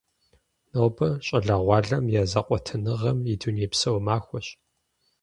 Нобэ щӏалэгъуалэм я зэкъуэтыныгъэм и дунейпсо махуэщ.